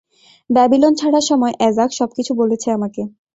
Babylon ছাড়ার সময় অ্যাজাক সবকিছু বলেছে আমাকে।